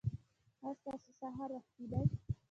ایا ستاسو سهار وختي دی؟